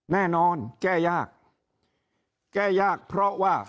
แน่นอนแก้ยากแก้ยากเพราะว่า